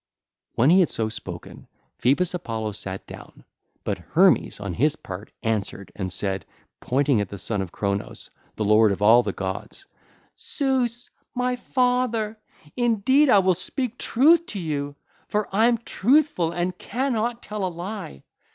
(ll. 365 367) When he had so spoken, Phoebus Apollo sat down. But Hermes on his part answered and said, pointing at the Son of Cronos, the lord of all the gods: (ll. 368 386) 'Zeus, my father, indeed I will speak truth to you; for I am truthful and I cannot tell a lie.